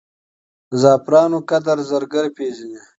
زعفرانو قدر زرګر پېژني.